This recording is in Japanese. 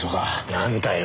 なんだよ？